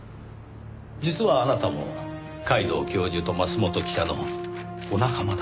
実はあなたも皆藤教授と桝本記者のお仲間だったんです。